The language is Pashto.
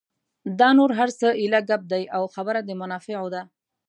دا نور هر څه ایله ګپ دي او خبره د منافعو ده.